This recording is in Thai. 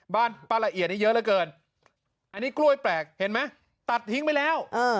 บ้านป้าละเอียดนี่เยอะเหลือเกินอันนี้กล้วยแปลกเห็นไหมตัดทิ้งไปแล้ว